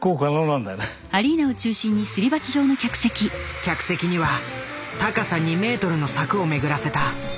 客席には高さ２ｍの柵を巡らせた。